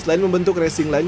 selain membentuk racing line